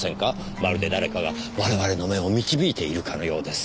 まるで誰かが我々の目を導いているかのようです。